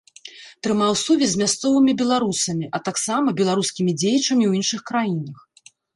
Трымаў сувязь з мясцовымі беларусамі, а таксама беларускімі дзеячамі ў іншых краінах.